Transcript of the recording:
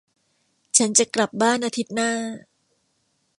ฉันจะกลับบ้านอาทิตย์หน้า